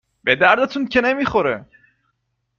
به دردتون که نمیخوره-